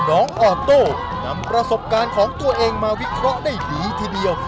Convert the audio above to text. ออโต้นำประสบการณ์ของตัวเองมาวิเคราะห์ได้ดีทีเดียว